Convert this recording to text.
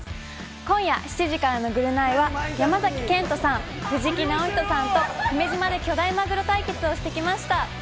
今夜７時からの『ぐるナイ』は山崎賢人さん、藤木直人さんと久米島で巨大マグロ釣り対決をしてきました。